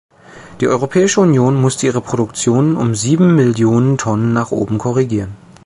Die Europäische Union musste ihre Produktion um sieben Millionen Tonnen nach oben korrigieren.